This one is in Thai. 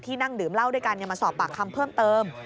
นั่งดื่มเหล้าด้วยกันมาสอบปากคำเพิ่มเติม